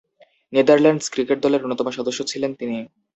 Netherlands cricket দলের অন্যতম সদস্য ছিলেন তিনি।